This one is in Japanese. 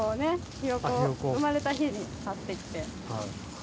ヒヨコ生まれた日に買ってきて。